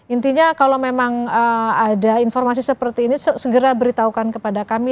intinya kalau memang ada informasi seperti ini segera beritahukan kepada kami